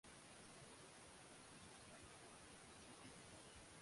Nakupenda na moyo wangu wote